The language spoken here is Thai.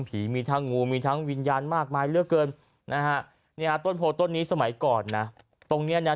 เสร็งประมาณตี๔ได้